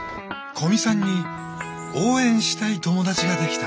古見さんに応援したい友達ができた。